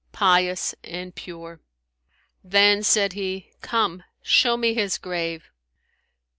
pious and pure.' Then said he, Come, show me his grave.'